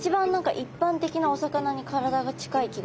一般的なお魚に体が近い気がする。